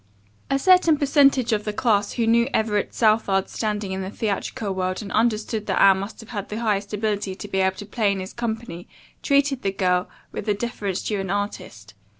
A certain percentage of the class who knew Everett Southard's standing in the theatrical world and understood that Anne must have the highest ability to be able to play in his company treated the young girl with the deference due an artist.